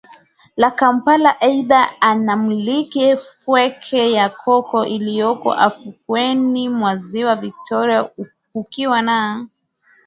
la Kampala Aidha anamiliki fukwe ya Coco iliyopo ufukweni mwa Ziwa Victoria kukiwa na